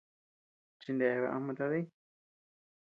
Chineabea ama tadï.